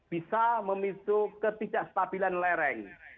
bisa memicu ketidakstabilan lereng